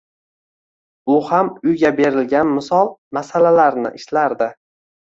U ham uyga berilgan misol-masalalarni ishlardi.